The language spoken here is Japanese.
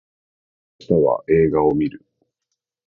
明日は映画を見る